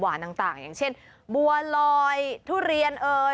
หนุ่มหวานต่างอย่างเช่นบัวลอยทุเรียนเอ๋ย